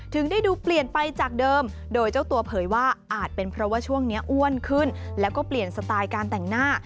ได้ดูเปลี่ยนไปจากเดิมโดยเจ้าตัวเผยว่าอาจเป็นเพราะว่าช่วงนี้อ้วนขึ้นแล้วก็เปลี่ยนสไตล์การแต่งหน้า